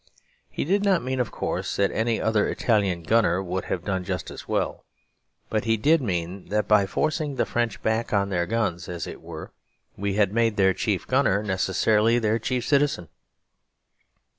He did not mean, of course, that any other Italian gunner would have done just as well; but he did mean that by forcing the French back on their guns, as it were, we had made their chief gunner necessarily their chief citizen.